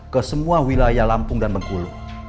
ke semua wilayah lampung dan bengkulu